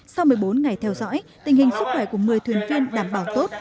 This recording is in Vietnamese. sau một mươi bốn ngày theo dõi tình hình sức khỏe của một mươi thuyền viên đảm bảo tốt